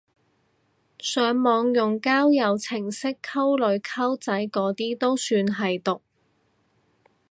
上網用交友程式溝女溝仔嗰啲都算係毒！